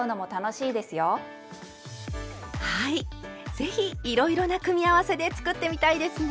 是非いろいろな組み合わせで作ってみたいですね！